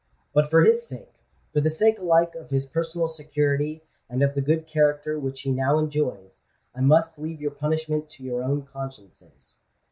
But for his sake—for the sake alike of his personal security and of the good character which he now enjoys—I must leave your punishment to your own consciences.